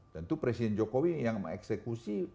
dan itu presiden jokowi yang eksekusi